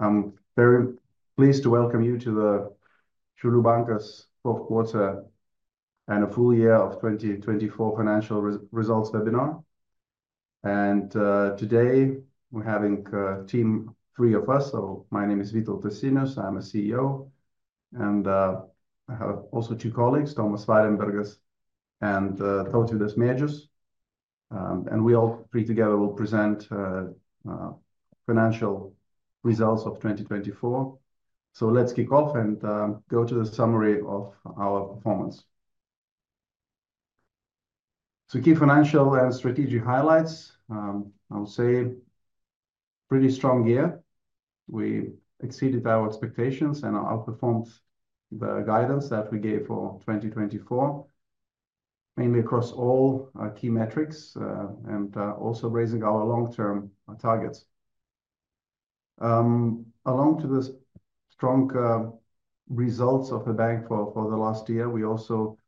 I'm very pleased to welcome you to the Šiaulių Bankas Fourth Quarter and a Full Year of 2024 Financial Results Webinar. Today we're having a team, three of us. My name is Vytautas Sinius. I'm CEO, and I have also two colleagues, Tomas Varenbergas and Donatas Savickas. We all three together will present financial results of 2024. Let's kick off and go to the summary of our performance. Key financial and strategic highlights, I would say, pretty strong year. We exceeded our expectations and outperformed the guidance that we gave for 2024, mainly across all key metrics and also raising our long-term targets. Along with the strong results of the bank for the last year, we also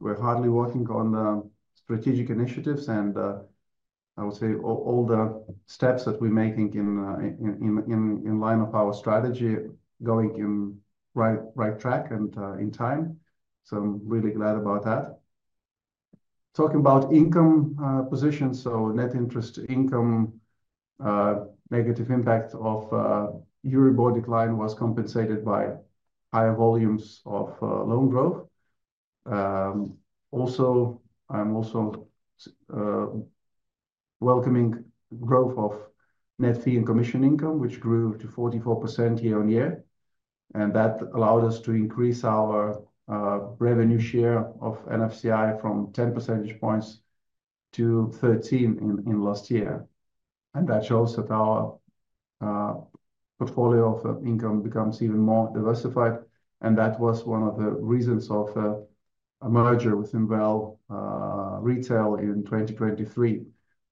were working hard on the strategic initiatives and, I would say, all the steps that we're making in line with our strategy, going on the right track and in time. So I'm really glad about that. Talking about income positions, so net interest income, negative impact of Euribor decline was compensated by higher volumes of loan growth. Also, I'm also welcoming growth of net fee and commission income, which grew 44% year on year. And that allowed us to increase our revenue share of NFCI from 10 percentage points to 13 in last year. And that shows that our portfolio of income becomes even more diversified. And that was one of the reasons of a merger with Invalda INVL in 2023,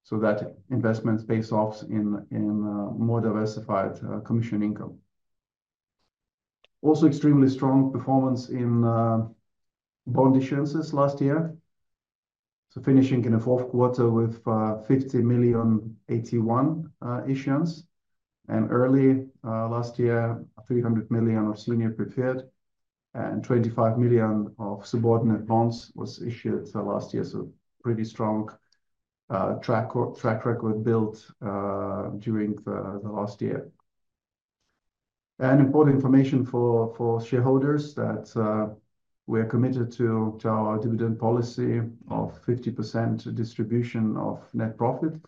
so that investment base offers more diversified commission income. Also, extremely strong performance in bond issuances last year, so finishing in the fourth quarter with 50 million issuance. And early last year, 300 million of senior preferred and 25 million of subordinated bonds was issued last year, so pretty strong track record built during the last year. And important information for shareholders that we are committed to our dividend policy of 50% distribution of net profit,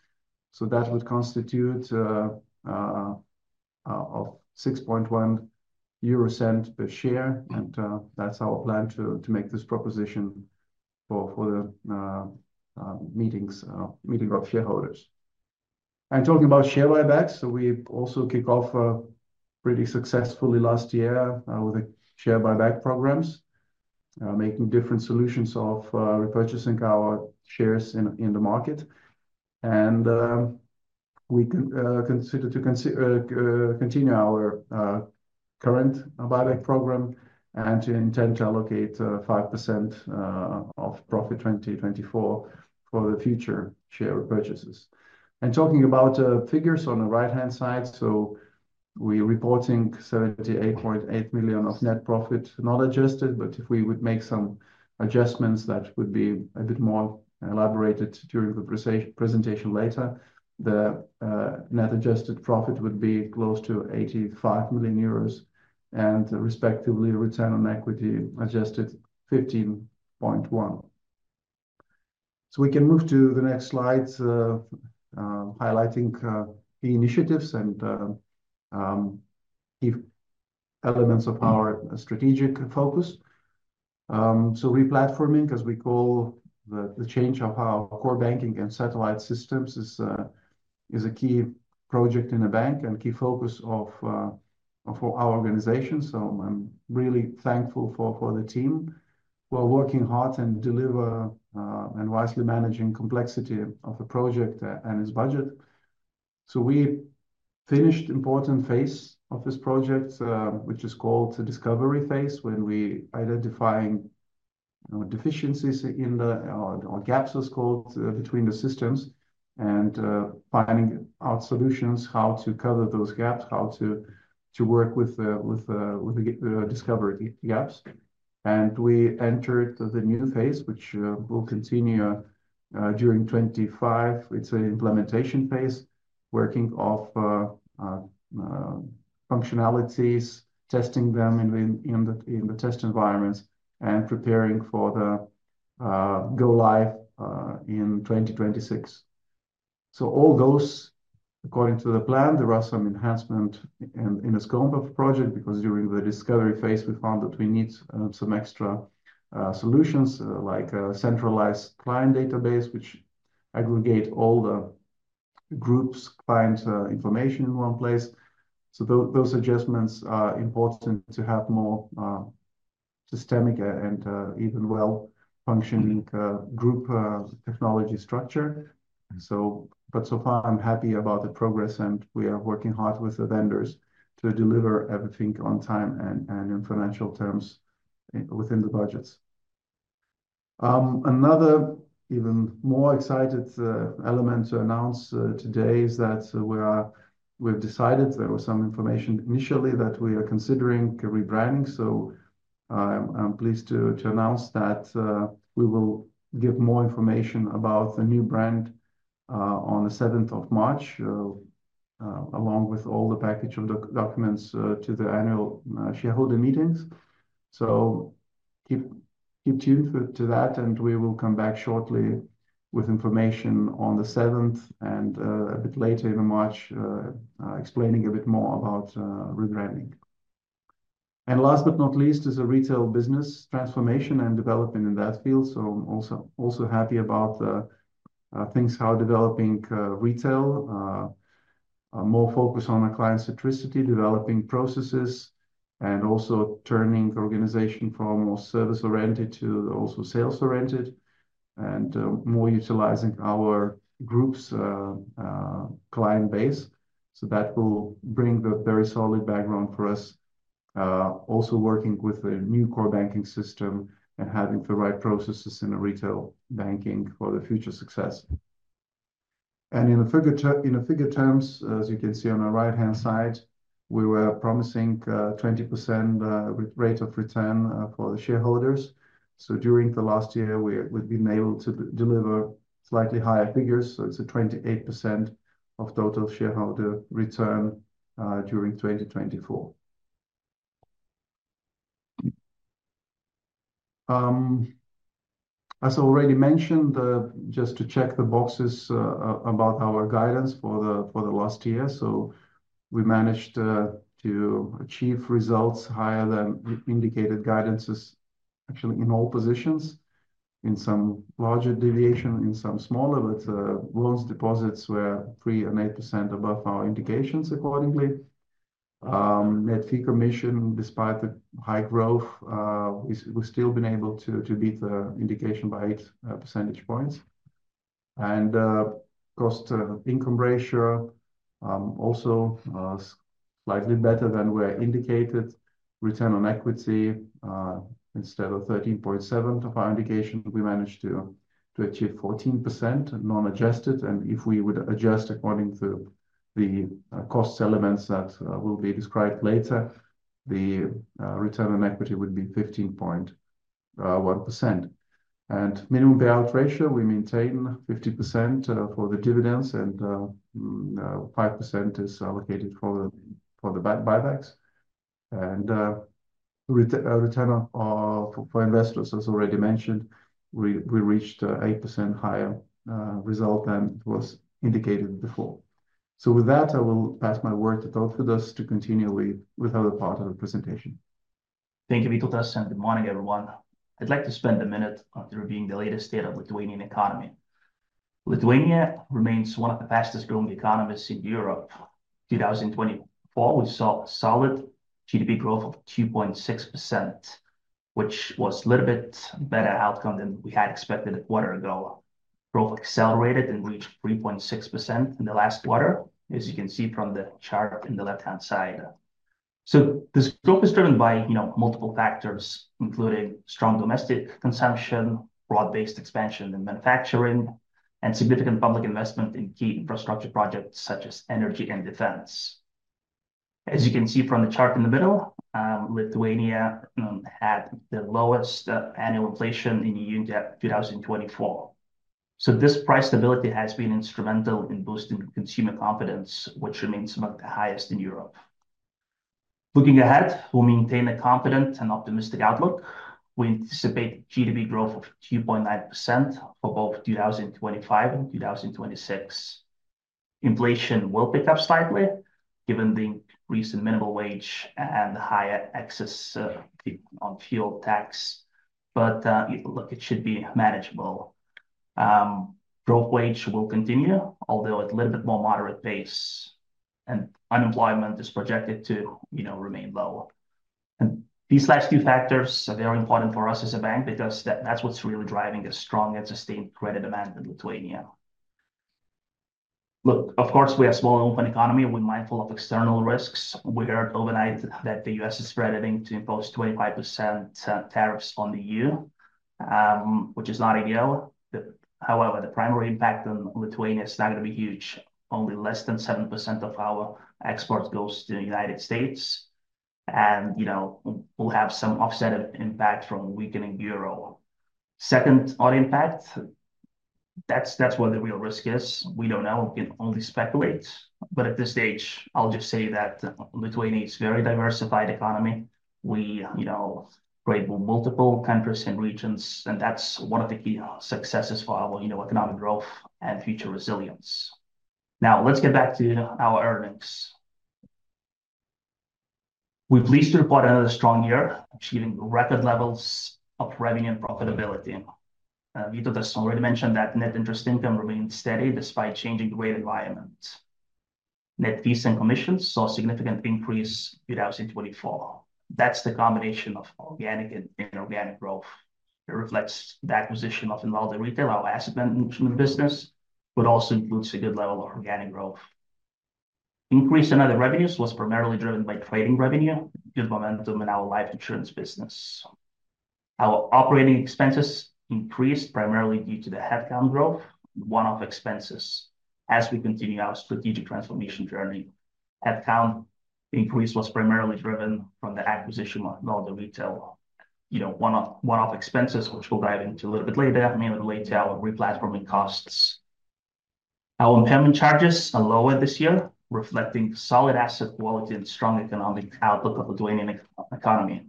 so that would constitute of 0.061 per share. And that's our plan to make this proposition for the meetings of shareholders. And talking about share buybacks, we also kick off pretty successfully last year with the share buyback programs, making different solutions of repurchasing our shares in the market. And we consider to continue our current buyback program and to intend to allocate 5% of profit 2024 for the future share repurchases. Talking about figures on the right-hand side, we are reporting 78.8 million of net profit not adjusted, but if we would make some adjustments that would be a bit more elaborated during the presentation later, the net adjusted profit would be close to 85 million euros and respectively return on equity adjusted 15.1%. We can move to the next slides highlighting key initiatives and key elements of our strategic focus. Replatforming, as we call the change of our core banking and satellite systems, is a key project in the bank and key focus of our organization. I'm really thankful for the team. We're working hard and deliver and wisely managing complexity of a project and its budget. So we finished an important phase of this project, which is called the discovery phase, when we identify deficiencies or gaps as they are called between the systems and finding out solutions how to cover those gaps, how to work with the discovery gaps. And we entered the new phase, which will continue during 2025. It's an implementation phase, working off functionalities, testing them in the test environments, and preparing for the go-live in 2026. So all those, according to the plan, there are some enhancements in the scope of the project because during the discovery phase, we found that we need some extra solutions like a centralized client database, which aggregates all the groups' client information in one place. So those adjustments are important to have more systemic and even well-functioning group technology structure. So far, I'm happy about the progress, and we are working hard with the vendors to deliver everything on time and in financial terms within the budgets. Another even more exciting element to announce today is that we've decided there was some information initially that we are considering rebranding. I'm pleased to announce that we will give more information about the new brand on the 7th of March, along with all the package of documents to the annual shareholder meetings. Keep tuned to that, and we will come back shortly with information on the 7th and a bit later in March, explaining a bit more about rebranding. Last but not least is a retail business transformation and development in that field. So, I'm also happy about things, how developing retail, more focus on our client centricity, developing processes, and also turning the organization from more service-oriented to also sales-oriented, and more utilizing our groups' client base. So that will bring the very solid background for us, also working with the new core banking system and having the right processes in retail banking for the future success. And in the financial terms, as you can see on the right-hand side, we were promising a 20% rate of return for the shareholders. So during the last year, we've been able to deliver slightly higher figures. So it's a 28% of total shareholder return during 2024. As I already mentioned, just to check the boxes about our guidance for the last year. So we managed to achieve results higher than indicated guidances, actually in all positions, in some larger deviation, in some smaller, but loans, deposits were 3% and 8% above our indications accordingly. Net fee commission, despite the high growth, we've still been able to beat the indication by 8 percentage points. And Cost-to-Income ratio also slightly better than we indicated. Return on equity, instead of 13.7% of our indication, we managed to achieve 14% non-adjusted. And if we would adjust according to the cost elements that will be described later, the return on equity would be 15.1%. And minimum payout ratio, we maintain 50% for the dividends, and 5% is allocated for the buybacks. And return for investors, as already mentioned, we reached an 8% higher result than was indicated before. With that, I will pass my word to Donatas to continue with other parts of the presentation. Thank you, Vytautas, and good morning, everyone. I'd like to spend a minute on interviewing the latest state of the Lithuanian economy. Lithuania remains one of the fastest-growing economies in Europe. In 2024, we saw a solid GDP growth of 2.6%, which was a little bit better outcome than we had expected a quarter ago. Growth accelerated and reached 3.6% in the last quarter, as you can see from the chart in the left-hand side. So this growth is driven by multiple factors, including strong domestic consumption, broad-based expansion in manufacturing, and significant public investment in key infrastructure projects such as energy and defense. As you can see from the chart in the middle, Lithuania had the lowest annual inflation in the year in 2024. So this price stability has been instrumental in boosting consumer confidence, which remains among the highest in Europe. Looking ahead, we'll maintain a confident and optimistic outlook. We anticipate GDP growth of 2.9% for both 2025 and 2026. Inflation will pick up slightly given the increase in minimum wage and the higher excise on fuel tax, but look, it should be manageable. Growth rates will continue, although at a little bit more moderate pace, and unemployment is projected to remain low, and these last two factors are very important for us as a bank because that's what's really driving a strong and sustained credit demand in Lithuania. Look, of course, we are a small and open economy. We're mindful of external risks. We heard overnight that the U.S. is threatening to impose 25% tariffs on the E.U., which is not ideal. However, the primary impact on Lithuania is not going to be huge. Only less than 7% of our exports goes to the United States. We'll have some offset of impact from weakening euro. Second, on impact, that's where the real risk is. We don't know. We can only speculate. But at this stage, I'll just say that Lithuania is a very diversified economy. We trade with multiple countries and regions, and that's one of the key successes for our economic growth and future resilience. Now, let's get back to our earnings. We're pleased to report another strong year, achieving record levels of revenue and profitability. Vytautas already mentioned that net interest income remained steady despite the changing rate environment. Net fees and commissions saw a significant increase in 2024. That's the combination of organic and inorganic growth. It reflects the acquisition of Invalda INVL, our asset management business, but also includes a good level of organic growth. The increase in other revenues was primarily driven by trading revenue, good momentum in our life insurance business. Our operating expenses increased primarily due to the headcount growth, one-off expenses. As we continue our strategic transformation journey, headcount increase was primarily driven from the acquisition of Invalda INVL, one-off expenses, which we'll dive into a little bit later, mainly related to our replatforming costs. Our impairment charges are lower this year, reflecting solid asset quality and strong economic outlook of the Lithuanian economy.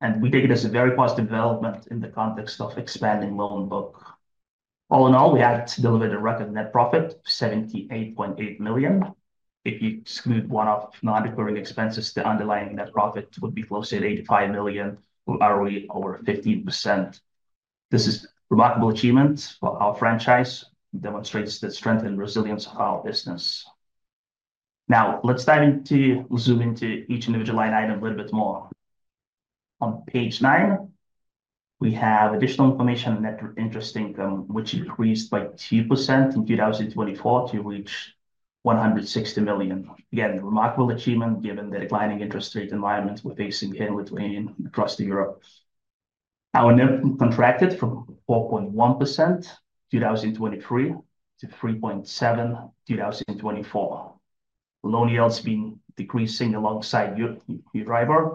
And we take it as a very positive development in the context of expanding loan book. All in all, we had to deliver the record net profit of 78.8 million. If you exclude one-off non-recurring expenses, the underlying net profit would be close to 85 million, or 15%. This is a remarkable achievement for our franchise, demonstrates the strength and resilience of our business. Now, let's dive into zoom into each individual line item a little bit more. On page nine, we have additional information on net interest income, which increased by 2% in 2024 to reach 160 million. Again, remarkable achievement given the declining interest rate environment we're facing here in Lithuania and across Europe. Our NIM contracted from 4.1% in 2023 to 3.7% in 2024. Loan yields have been decreasing year-over-year,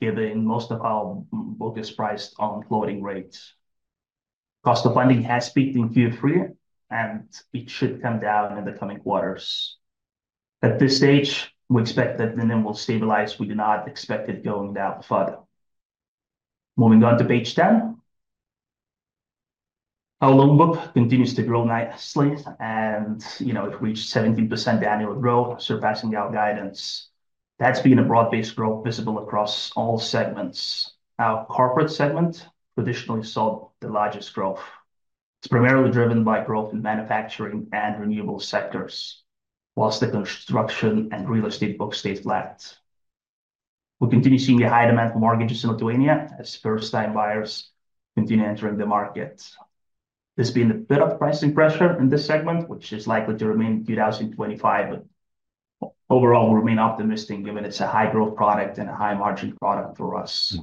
given most of our book is priced on floating rates. Cost of funding has peaked in Q3, and it should come down in the coming quarters. At this stage, we expect that the NIM will stabilize. We do not expect it going down further. Moving on to page 10, our loan book continues to grow nicely, and it reached 17% annual growth, surpassing our guidance. That's been a broad-based growth visible across all segments. Our corporate segment traditionally saw the largest growth. It's primarily driven by growth in manufacturing and renewable sectors, while the construction and real estate book stays flat. We continue seeing a high demand for mortgages in Lithuania as first-time buyers continue entering the market. There's been a bit of pricing pressure in this segment, which is likely to remain in 2025. Overall, we remain optimistic given it's a high-growth product and a high-margin product for us.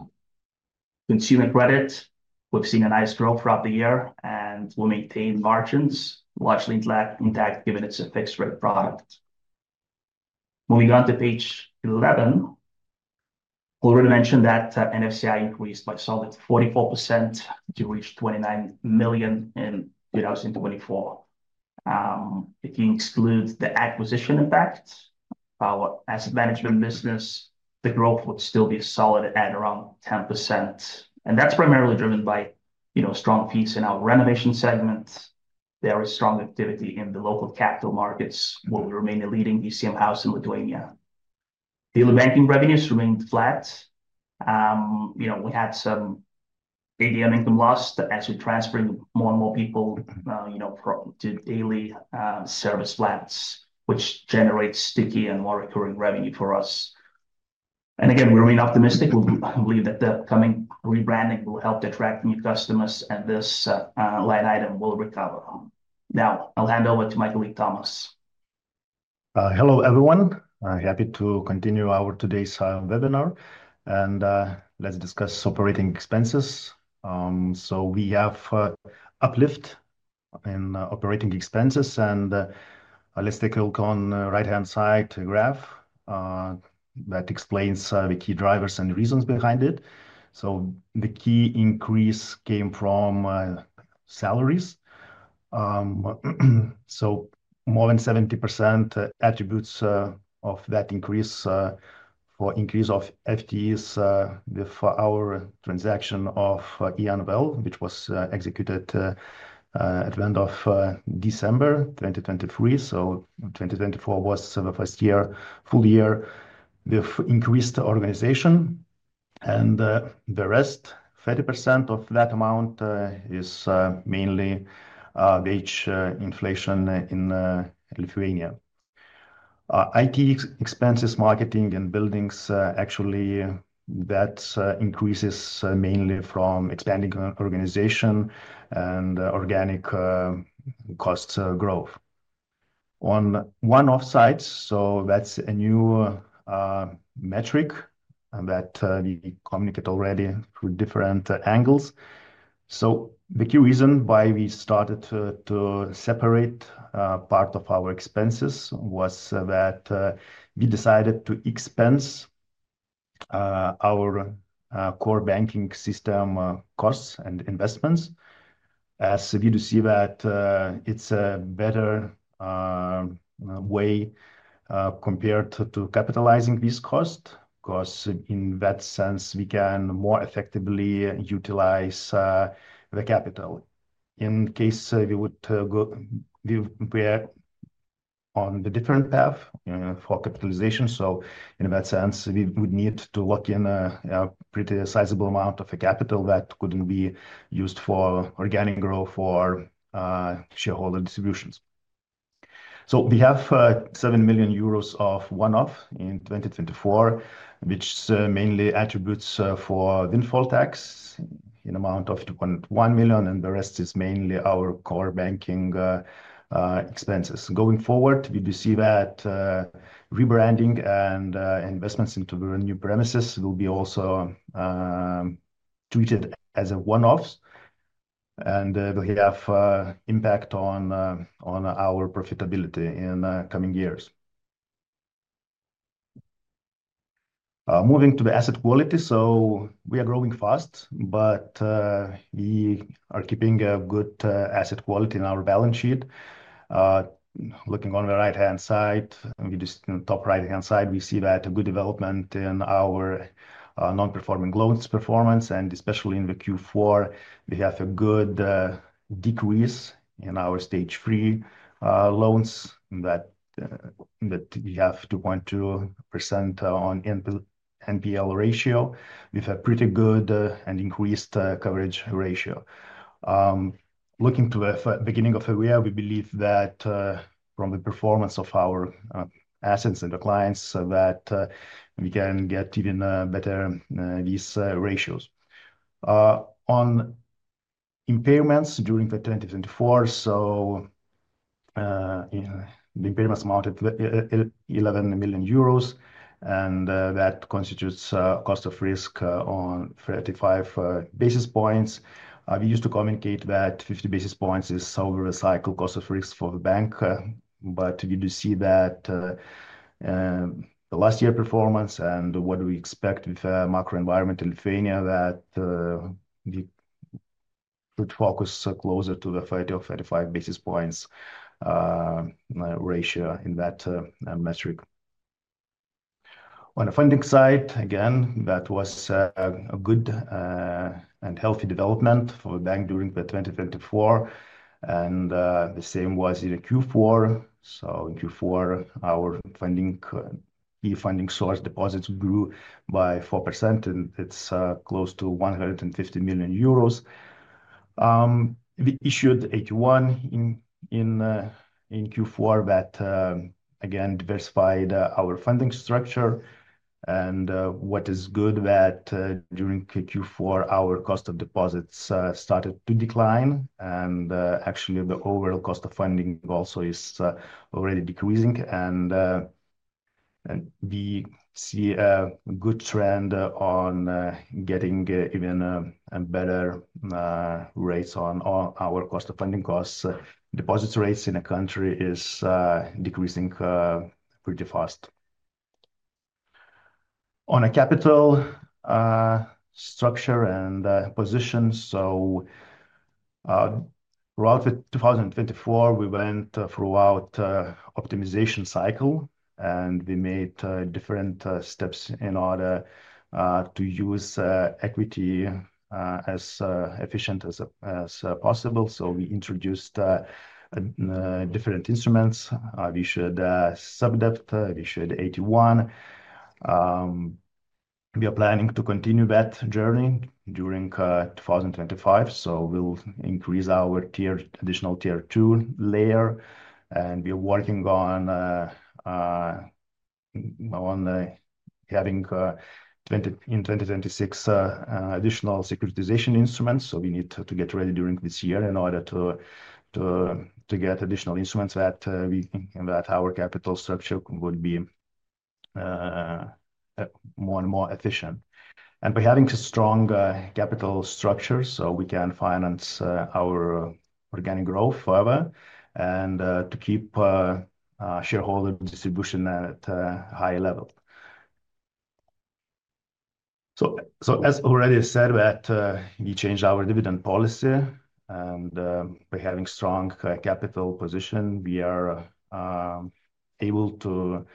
Consumer credit, we've seen a nice growth throughout the year, and we maintain margins largely intact given it's a fixed-rate product. Moving on to page 11, I already mentioned that NFCI increased by a solid 44% to reach 29 million in 2024. If you exclude the acquisition impact of our asset management business, the growth would still be solid at around 10%, and that's primarily driven by strong fees in our renovation segment. There is strong activity in the local capital markets, where we remain a leading DCM house in Lithuania. Daily banking revenues remained flat. We had some ATM income loss as we're transferring more and more people to daily service flats, which generates sticky and more recurring revenue for us. And again, we remain optimistic. We believe that the upcoming rebranding will help attract new customers, and this line item will recover. Now, I'll hand over to my colleague, Tomas. Hello, everyone. Happy to continue our today's webinar, and let's discuss operating expenses, so we have uplift in operating expenses, and let's take a look on the right-hand side graph that explains the key drivers and reasons behind it, so the key increase came from salaries, so more than 70% attributes of that increase for increase of FTEs with our transaction of INVL, which was executed at the end of December 2023, so 2024 was the first year, full year with increased organization, and the rest, 30% of that amount is mainly wage inflation in Lithuania. IT expenses, marketing, and buildings, actually, that increases mainly from expanding organization and organic cost growth. On one-off side, so that's a new metric that we communicate already through different angles. So the key reason why we started to separate part of our expenses was that we decided to expense our core banking system costs and investments. As we do see that it's a better way compared to capitalizing this cost because in that sense, we can more effectively utilize the capital. In case we would go on the different path for capitalization, so in that sense, we would need to lock in a pretty sizable amount of capital that couldn't be used for organic growth or shareholder distributions. So we have 7 million euros of one-off in 2024, which mainly attributes for windfall tax in the amount of 1 million, and the rest is mainly our core banking expenses. Going forward, we do see that rebranding and investments into new premises will be also treated as a one-off, and it will have impact on our profitability in coming years. Moving to the asset quality, so we are growing fast, but we are keeping a good asset quality in our balance sheet. Looking on the right-hand side, we see just in the top right-hand side, we see that a good development in our non-performing loans performance, and especially in the Q4, we have a good decrease in our Stage 3 loans that we have 2.2% on NPL ratio. We've had pretty good and increased coverage ratio. Looking to the beginning of the year, we believe that from the performance of our assets and the clients, that we can get even better these ratios. On impairments during 2024, so the impairments amounted to 11 million euros, and that constitutes a cost of risk on 35 basis points. We used to communicate that 50 basis points is over a cycle cost of risk for the bank, but we do see that the last year performance and what we expect with macro environment in Lithuania, that we should focus closer to the 30 or 35 basis points ratio in that metric. On the funding side, again, that was a good and healthy development for the bank during 2024, and the same was in Q4, so in Q4, our key funding source deposits grew by 4%, and it's close to EUR 150 million. We issued AT1 in Q4 that, again, diversified our funding structure. And what is good that during Q4, our cost of deposits started to decline, and actually, the overall cost of funding also is already decreasing, and we see a good trend on getting even better rates on our cost of funding costs. Deposit rates in a country are decreasing pretty fast. On a capital structure and position, throughout 2024, we went through an optimization cycle, and we made different steps in order to use equity as efficiently as possible. We introduced different instruments. We issued sub debt, we issued AT1. We are planning to continue that journey during 2025. We will increase our additional Tier 2 layer, and we are working on having in 2026 additional securitization instruments. We need to get ready during this year in order to get additional instruments that we think that our capital structure would be more and more efficient. By having a strong capital structure, we can finance our organic growth further and to keep shareholder distribution at a high level. So as already said, we changed our dividend policy, and by having a strong capital position, we are able to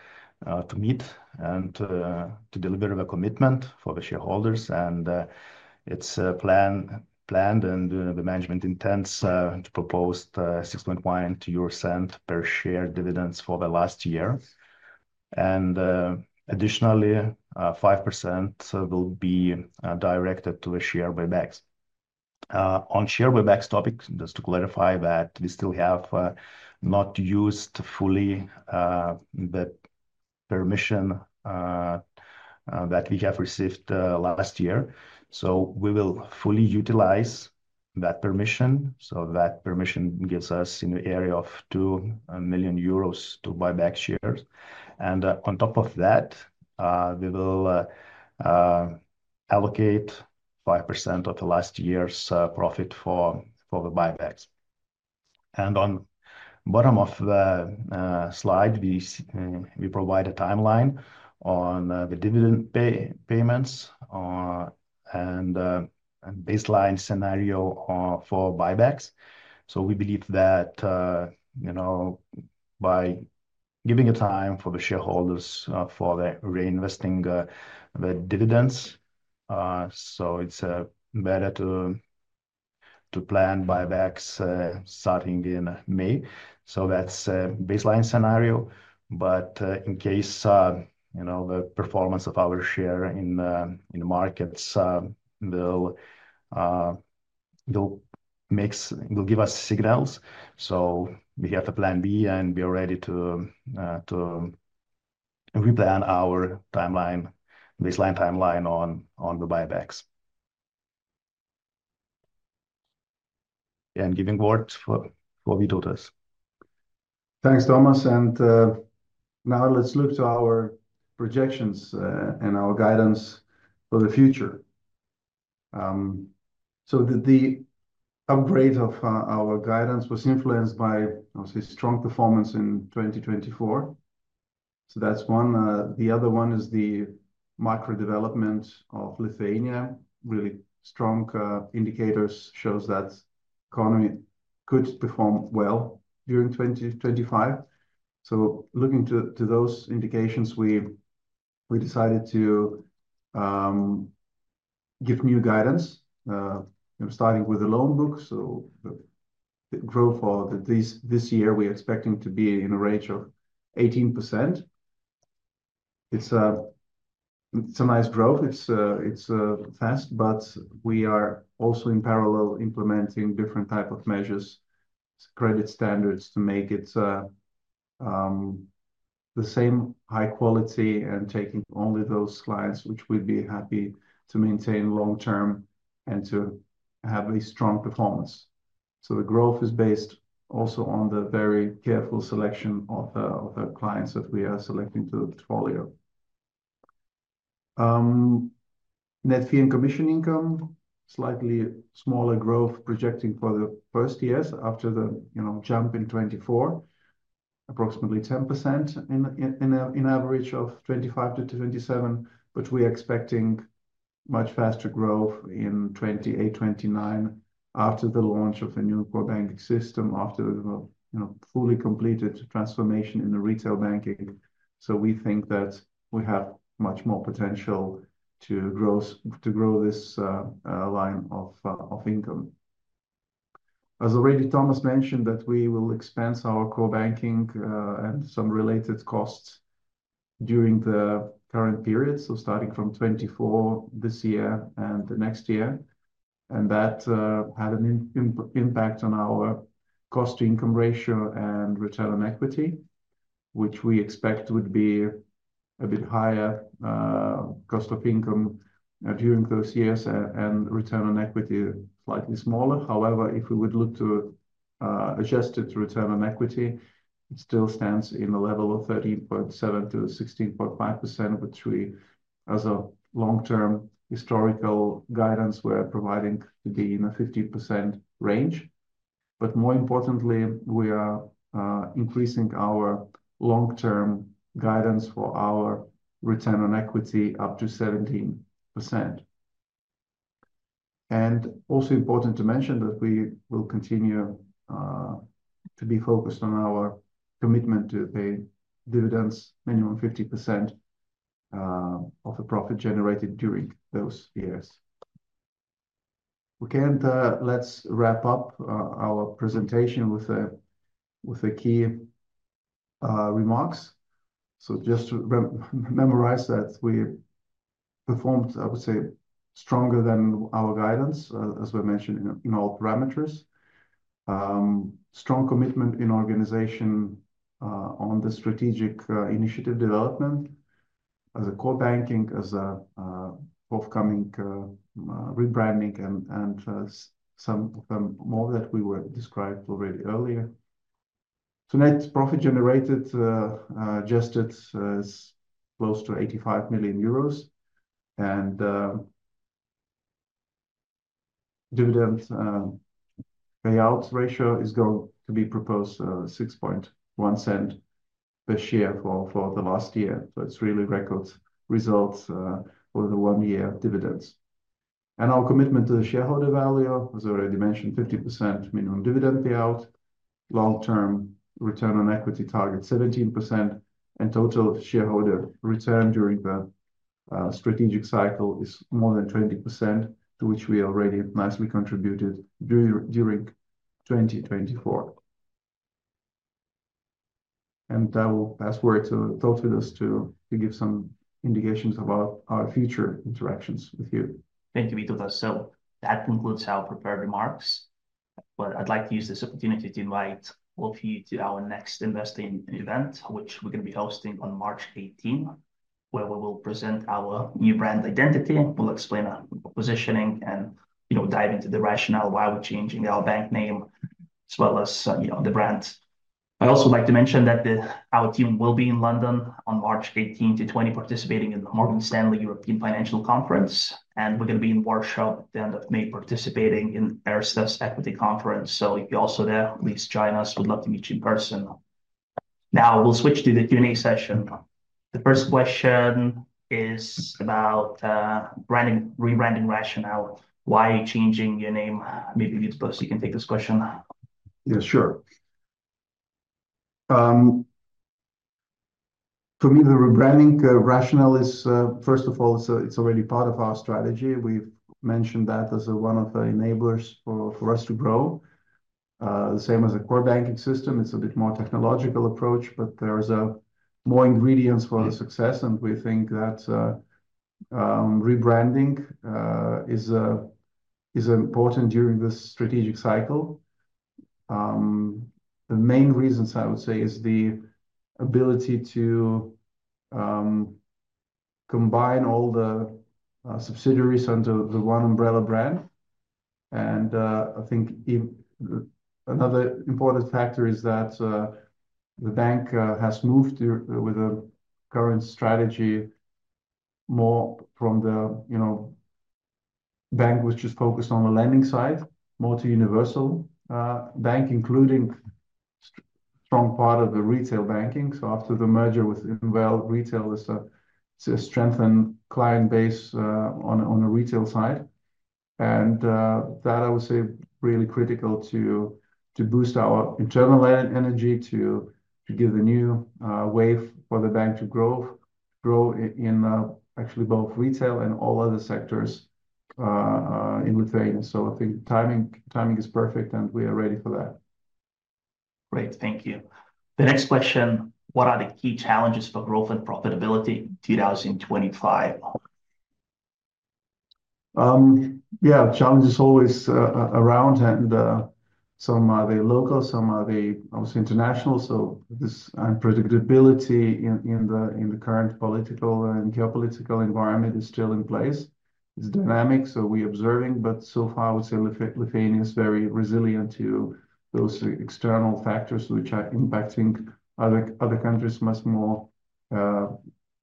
meet and to deliver the commitment for the shareholders, and it's planned and the management intends to propose 6.12% per share dividends for the last year, and additionally, 5% will be directed to the share buybacks. On share buybacks topic, just to clarify that we still have not used fully the permission that we have received last year, so we will fully utilize that permission, so that permission gives us an area of 2 million euros to buy back shares, and on top of that, we will allocate 5% of the last year's profit for the buybacks, and on the bottom of the slide, we provide a timeline on the dividend payments and baseline scenario for buybacks. So we believe that by giving time for the shareholders for the reinvesting the dividends, so it's better to plan buybacks starting in May. So that's a baseline scenario. But in case the performance of our share in the markets will give us signals, so we have a plan B and we are ready to replan our baseline timeline on the buybacks. And giving word for Vytautas. Thanks, Tomas. And now let's look to our projections and our guidance for the future. So the upgrade of our guidance was influenced by, I would say, strong performance in 2024. So that's one. The other one is the macro development of Lithuania. Really strong indicators show that the economy could perform well during 2025. So looking to those indications, we decided to give new guidance, starting with the loan book. So the growth for this year, we're expecting to be in a range of 18%. It's a nice growth. It's fast, but we are also in parallel implementing different types of measures, credit standards to make it the same high quality and taking only those clients which we'd be happy to maintain long-term and to have a strong performance. So the growth is based also on the very careful selection of the clients that we are selecting to the portfolio. Net fee and commission income, slightly smaller growth projecting for the first years after the jump in 2024, approximately 10% on average of 2025-2027, but we are expecting much faster growth in '28, '29 after the launch of a new core banking system, after the fully completed transformation in the retail banking. So we think that we have much more potential to grow this line of income. As already Tomas mentioned, that we will expense our core banking and some related costs during the current period, so starting from 2024 this year and the next year. That had an impact on our Cost-to-Income ratio and return on equity, which we expect would be a bit higher Cost-to-Income during those years and return on equity slightly smaller. However, if we would look to adjusted return on equity, it still stands in the level of 13.7%-16.5%, which we as a long-term historical guidance, we're providing to be in a 15% range. More importantly, we are increasing our long-term guidance for our return on equity up to 17%. Also important to mention that we will continue to be focused on our commitment to pay dividends minimum 50% of the profit generated during those years. Okay, and let's wrap up our presentation with the key remarks. Just to memorize that we performed, I would say, stronger than our guidance, as we mentioned in all parameters. Strong commitment in organization on the strategic initiative development as a core banking, as a forthcoming rebranding, and some of them more that we were described already earlier. So net profit generated adjusted is close to 85 million euros, and dividend payout ratio is going to be proposed 6.1% per share for the last year. So it's really record results for the one-year dividends. Our commitment to the shareholder value, as I already mentioned, 50% minimum dividend payout, long-term return on equity target 17%, and total shareholder return during the strategic cycle is more than 20%, to which we already nicely contributed during 2024. I will pass word to Tautvydas to give some indications about our future interactions with you. Thank you, Vytautas. So that concludes our prepared remarks. But I'd like to use this opportunity to invite all of you to our next investing event, which we're going to be hosting on March 18, where we will present our new brand identity. We'll explain our positioning and dive into the rationale why we're changing our bank name, as well as the brand. I'd also like to mention that our team will be in London on March 18-20, participating in the Morgan Stanley European Financial Conference. And we're going to be in Warsaw at the end of May, participating in Erste's Equity Conference. So if you're also there, please join us. We'd love to meet you in person. Now we'll switch to the Q&A session. The first question is about rebranding rationale. Why are you changing your name? Maybe Vytautas can take this question. Yeah, sure. For me, the rebranding rationale is, first of all, it's already part of our strategy. We've mentioned that as one of the enablers for us to grow. The same as a core banking system, it's a bit more technological approach, but there are more ingredients for the success. And we think that rebranding is important during this strategic cycle. The main reasons, I would say, is the ability to combine all the subsidiaries under the one umbrella brand. And I think another important factor is that the bank has moved with a current strategy more from the bank, which is focused on the lending side, more to universal bank, including a strong part of the retail banking. So after the merger with INVL retail is to strengthen client base on the retail side. That, I would say, is really critical to boost our internal energy to give the new wave for the bank to grow in actually both retail and all other sectors in Lithuania. I think timing is perfect, and we are ready for that. Great. Thank you. The next question, what are the key challenges for growth and profitability in 2025? Yeah, challenges always around, and some are the local, some are the, obviously, international, so this unpredictability in the current political and geopolitical environment is still in place. It's dynamic, so we're observing, but so far, I would say Lithuania is very resilient to those external factors which are impacting other countries much more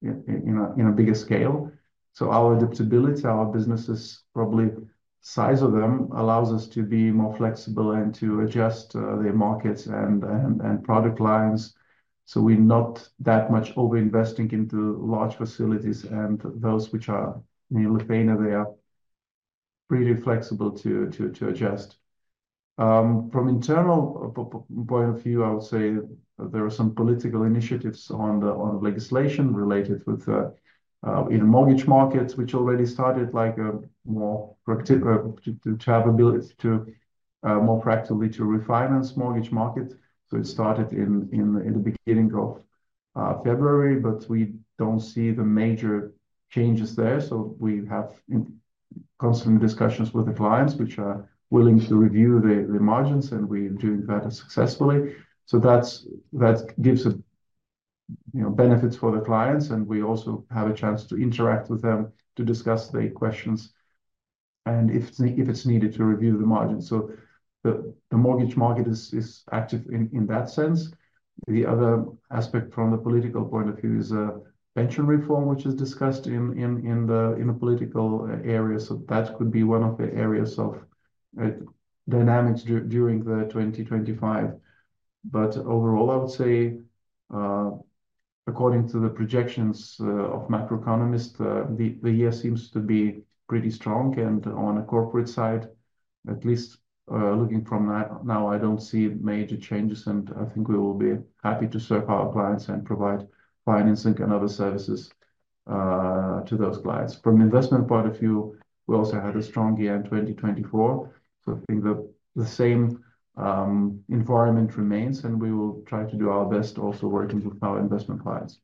in a bigger scale, so our adaptability, our businesses, probably the size of them, allows us to be more flexible and to adjust their markets and product lines, so we're not that much over-investing into large facilities and those which are in Lithuania. They are pretty flexible to adjust. From an internal point of view, I would say there are some political initiatives on legislation related with the mortgage markets, which already started like a move to have ability to more practically to refinance mortgage markets. It started in the beginning of February, but we don't see the major changes there. We have constant discussions with the clients, which are willing to review the margins, and we're doing that successfully. That gives benefits for the clients, and we also have a chance to interact with them to discuss the questions and if it's needed to review the margins. The mortgage market is active in that sense. The other aspect from the political point of view is pension reform, which is discussed in the political area. That could be one of the areas of dynamics during 2025. But overall, I would say, according to the projections of macroeconomists, the year seems to be pretty strong. On a corporate side, at least looking from now, I don't see major changes. I think we will be happy to serve our clients and provide financing and other services to those clients. From an investment point of view, we also had a strong year in 2024. I think the same environment remains, and we will try to do our best also working with our investment clients.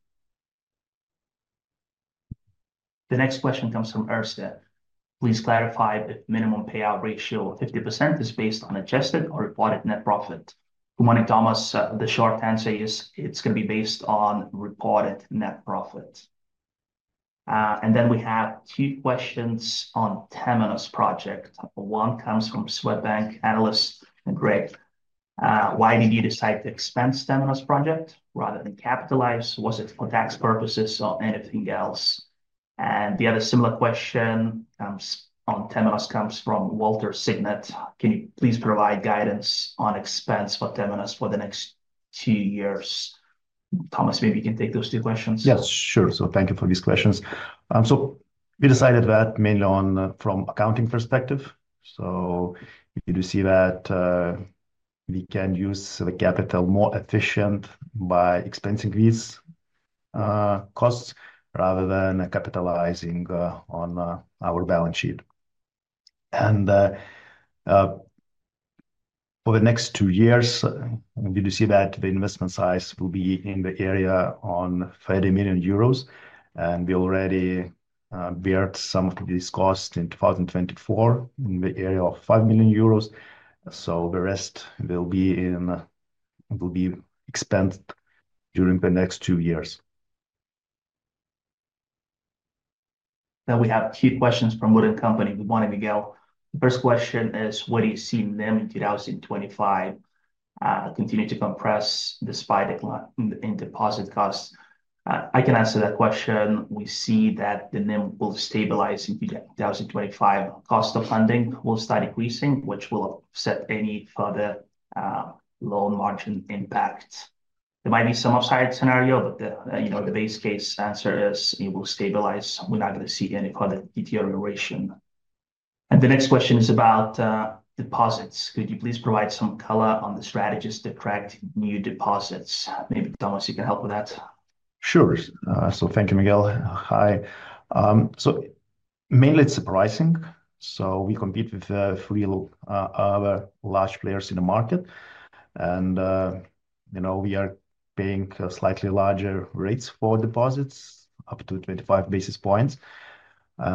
The next question comes from Erste. Please clarify if minimum payout ratio of 50% is based on adjusted or reported net profit. For Tomas, the short answer is it's going to be based on reported net profit. And then we have two questions on Temenos Project. One comes from Swedbank analyst Greg. Why did you decide to expense Temenos Project rather than capitalize? Was it for tax purposes or anything else? And the other similar question on Temenos comes from Walter Signet. Can you please provide guidance on expense for Temenos for the next two years? Tomas, maybe you can take those two questions. Yes, sure. So thank you for these questions. So we decided that mainly from an accounting perspective. So we do see that we can use the capital more efficiently by expensing these costs rather than capitalizing on our balance sheet. And for the next two years, we do see that the investment size will be in the area of 30 million euros. And we already borne some of these costs in 2024 in the area of 5 million euros. So the rest will be expensed during the next two years. Now we have two questions from Wood & Company. Good morning, Miguel. The first question is, what do you see NIM in 2025 continue to compress despite the deposit costs? I can answer that question. We see that the NIM will stabilize in 2025. Cost of funding will start increasing, which will offset any further loan margin impact. There might be some upside scenario, but the base case answer is it will stabilize. We're not going to see any further deterioration. And the next question is about deposits. Could you please provide some color on the strategies to attract new deposits? Maybe Tomas, you can help with that. Sure. So thank you, Miguel. Hi. So mainly it's surprising. So we compete with a few other large players in the market. And we are paying slightly larger rates for deposits, up to 25 basis points.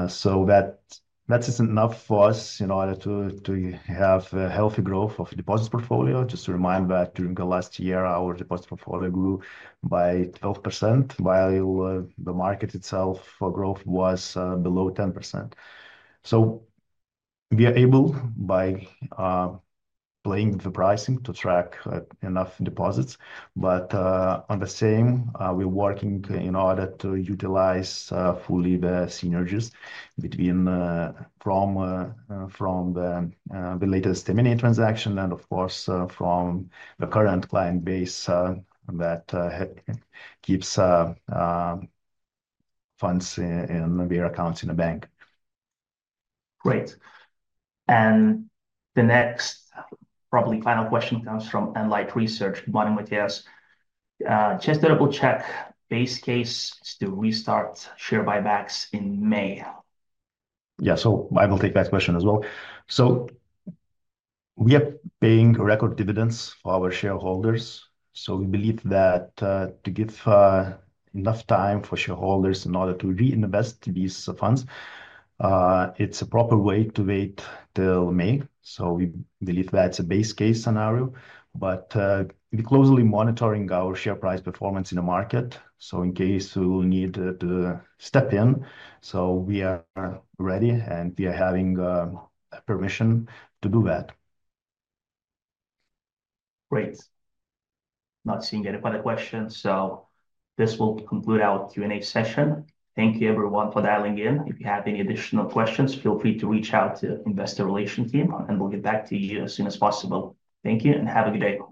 So that is enough for us in order to have a healthy growth of the deposits portfolio. Just to remind that during the last year, our deposit portfolio grew by 12% while the market itself for growth was below 10%. So we are able, by playing with the pricing, to attract enough deposits. But at the same time, we're working in order to utilize fully the synergies from the latest M&A transaction and, of course, from the current client base that keeps funds in their accounts in the bank. Great. And the next, probably final question comes from Enlight Research. Good morning, Mattias. Just to double-check, base case is to restart share buybacks in May. Yeah, so I will take that question as well. So we are paying record dividends for our shareholders. So we believe that to give enough time for shareholders in order to reinvest these funds, it's a proper way to wait till May. So we believe that's a base case scenario. But we're closely monitoring our share price performance in the market. So in case we will need to step in, so we are ready and we are having permission to do that. Great. Not seeing any further questions. So this will conclude our Q&A session. Thank you, everyone, for dialing in. If you have any additional questions, feel free to reach out to the investor relations team, and we'll get back to you as soon as possible. Thank you and have a good day.